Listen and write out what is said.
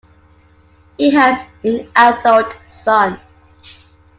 He has an adult son.